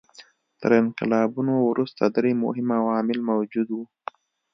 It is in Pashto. تر انقلابونو وروسته درې مهم عوامل موجود وو.